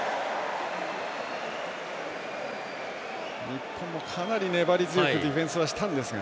日本も、かなり粘り強くディフェンスはしたんですが。